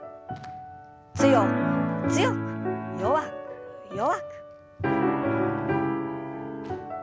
強く強く弱く弱く。